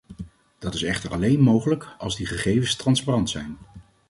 Dat is echter alleen mogelijk als die gegevens transparant zijn.